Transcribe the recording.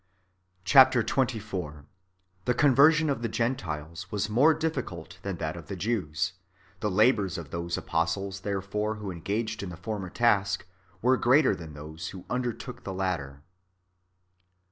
^ Chap. xxiv. — The conversion of the Gentiles 2cas more dlffi cidt than that of the Jews ; the labours of those apostles, therefore, iclio engaged in the former task, icere greater than those ivho iindertooh the latter, 1.